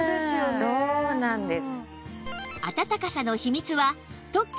そうなんです。